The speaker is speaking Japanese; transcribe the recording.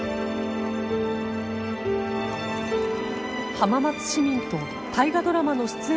浜松市民と「大河ドラマ」の出演